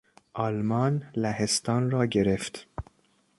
آلمان لهستان را گرفت.